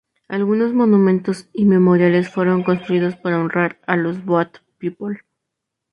Algunos monumentos y memoriales fueron construidos para honrar a los Boat People.